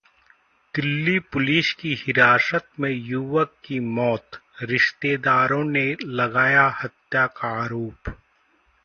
Delhi police की हिरासत में युवक की मौत, रिश्तेदारों ने लगाया हत्या का आरोप